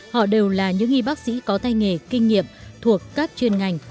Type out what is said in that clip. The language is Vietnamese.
họ đều là những y bác sĩ có tay nghề kinh nghiệm thuộc các chuyên ngành